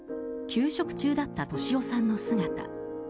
休職中だった俊夫さんの姿。